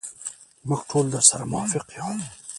موږ ټول درسره موافق یو.